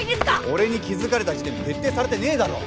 俺に気づかれた時点で徹底されてねえだろ